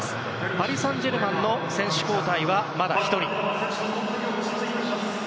パリ・サンジェルマンの選手交代は、まだ１人。